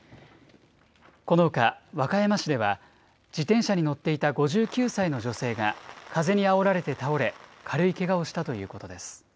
このほか、和歌山市では、自転車に乗っていた５９歳の女性が風にあおられて倒れ、軽いけが